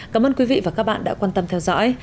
cảm ơn quý vị và các bạn đã quan tâm theo dõi